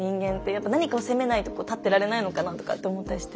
やっぱ何かを責めないと立ってられないのかなとかって思ったりして。